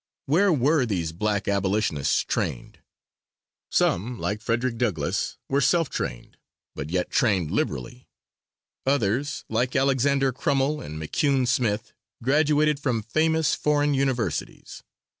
Where were these black abolitionists trained? Some, like Frederick Douglass, were self trained, but yet trained liberally; others, like Alexander Crummell and McCune Smith, graduated from famous foreign universities.